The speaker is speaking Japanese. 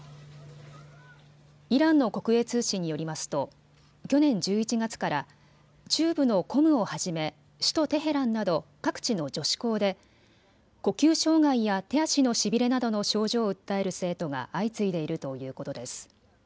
イランの国営通信によりますと去年１１月から中部のコムをはじめ首都テヘランなど各地の女子校で呼吸障害や手足のしびれなどの症状を訴える生徒が相次いでいるということです。